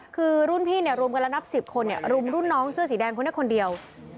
คือรุ่นพี่รวมกันแล้วนับ๑๐คนรุมรุ่นน้องเสื้อสีแดงคนนี้คนเดียว